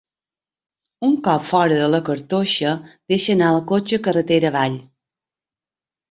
Un cop fora de la cartoixa deixa anar el cotxe carretera avall.